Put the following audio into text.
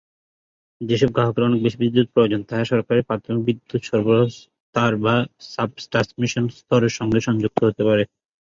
যেসব গ্রাহকের অনেক বেশি বিদ্যুৎ প্রয়োজন তারা সরাসরি প্রাথমিক বিদ্যুৎ সরবরাহ স্তর বা সাব ট্রান্সমিশন স্তরের সঙ্গে সংযুক্ত হতে পারে।